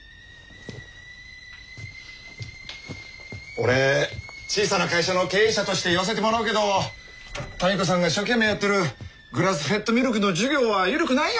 俺小さな会社の経営者として言わせてもらうけど民子さんが一生懸命やってるグラスフェッドミルクの事業は緩くないよ